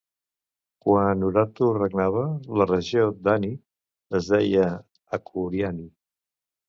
Quan Urartu regnava, la regió d'Ani es deia Akhuriani.